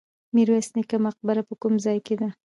میرویس نیکه مقبره په کوم ځای کې ده؟